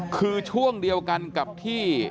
คือช่วงเดียวกันกับที่